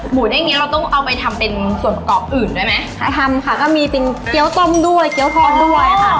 เด้งเนี้ยเราต้องเอาไปทำเป็นส่วนประกอบอื่นด้วยไหมคะทำค่ะก็มีเป็นเกี้ยวต้มด้วยเกี้ยวทอดด้วยค่ะ